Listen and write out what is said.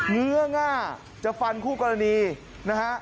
เงื้อง่าจะฟันคู่กรณีนะฮะ